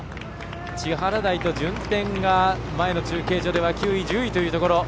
千原台と順天が前の中継所では一緒というところ。